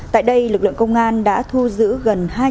tại đây lực lượng công an đã thu giữ gần hai đồng